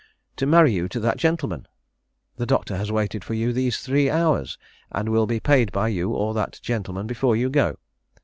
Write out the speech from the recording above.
'To marry you to that gentleman. The Doctor has waited for you these three hours, and will be payed by you or that gentleman before you go!'